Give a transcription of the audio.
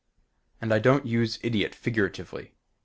And I don't use idiot figuratively.